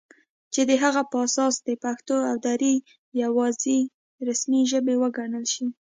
چې د هغه په اساس دې پښتو او دري یواځې رسمي ژبې وګڼل شي